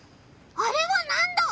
あれはなんだ？